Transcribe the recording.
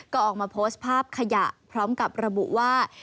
ก็ออกมาโพสต์ภาพขยะพร้อมกับระบุว่า